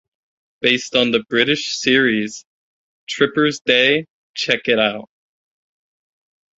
Based on the British series "Tripper's Day", "Check It Out!